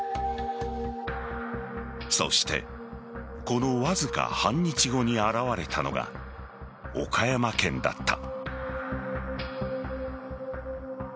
そしてこのわずか半日後に現れたのが岡山県だった。